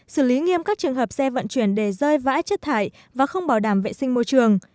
xử lý nghiêm các trường hợp xe vận chuyển để rơi vãi chất thải và không bảo đảm vệ sinh môi trường